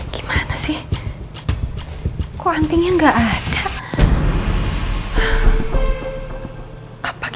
gimana sih kok antingnya gak ada